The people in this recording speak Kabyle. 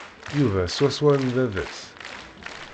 Yuba swaswa am baba-s.